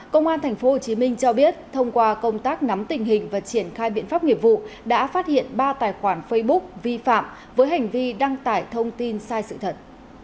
công an tp hcm cho biết thông qua công tác nắm tình hình và triển khai biện pháp nghiệp vụ đã phát hiện ba tài khoản facebook vi phạm với hành vi đăng tải thông tin sai sự thật